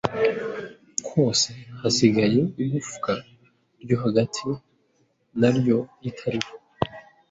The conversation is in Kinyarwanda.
kose hasigaye igufwa ryo hagati na ryo ritariho